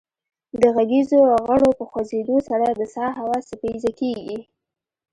د غږیزو غړو په خوځیدو سره د سا هوا څپیزه کیږي